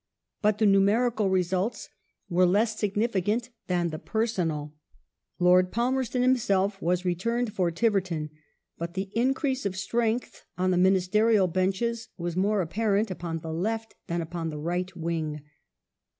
But the numerical results were less significant than the personal. Lord Palmerston himself was returned for Tiverton, but the increase of strength on the Ministerial Benches was more apparent upon the left than upon the right wing.